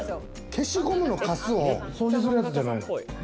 消しゴムのかすを掃除するやつじゃない？